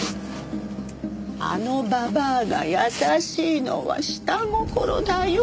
あのババアが優しいのは下心だよ。